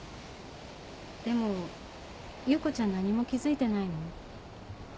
でも優子ちゃん何も気づいてないの？